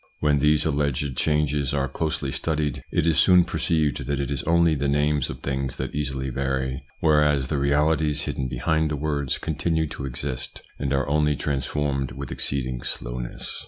When these alleged changes are closely studied, it is soon perceived that it is only the names of things that easily vary, whereas the realities hidden behind the words continue to exist and are only transformed with exceeding slowness.